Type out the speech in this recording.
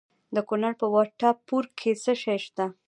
د کونړ په وټه پور کې څه شی شته؟